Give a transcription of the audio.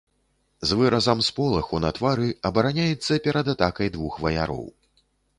З выразам сполаху на твары абараняецца перад атакай двух ваяроў.